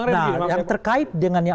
nah yang terkait dengan yang